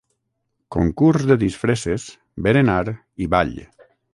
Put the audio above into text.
Concurs de disfresses, berenar i ball.